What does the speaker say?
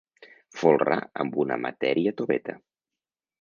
Folrar amb una matèria toveta.